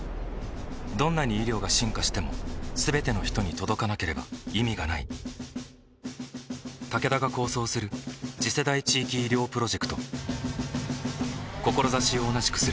どんなに医療が進化しても全ての人に届かなければ意味がないタケダが構想する次世代地域医療プロジェクト志を同じくするあらゆるパートナーと手を組んで実用化に挑む